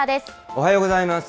おはようございます。